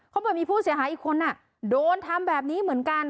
บอกมีผู้เสียหายอีกคนโดนทำแบบนี้เหมือนกัน